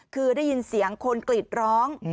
คือได้ยินเสียงคนกรีดร้อง